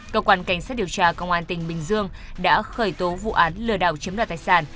cơ quan cảnh sát điều tra công an tỉnh bình dương đã khởi tố vụ án lừa đảo chiếm đoạt tài sản